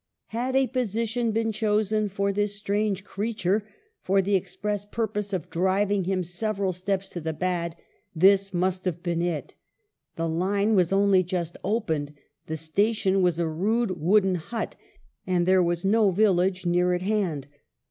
" Had a position been chosen for this strange creature for the express purpose of driving him several steps to the bad, this must have been it. The line was only just opened. The station was a rude wooden hut, and there was no village near at hand.